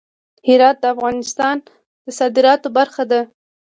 هرات د افغانستان د صادراتو برخه ده.